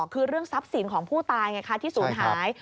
คือเรื่องทรัพย์สินของผู้ตายไงคะที่ศูนย์หาย